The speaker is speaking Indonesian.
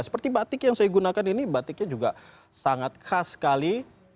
seperti batik yang saya gunakan ini batiknya juga sangat khas sekali